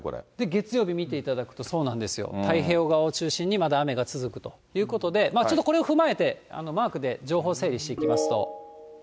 月曜日見ていただくと、そうなんですよ、太平洋側を中心にまだ雨が続くということで、ちょっとこれを踏まえて、マークで情報整理していきますと。